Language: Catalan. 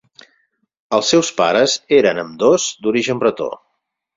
Els seus pares eren ambdós d'origen bretó.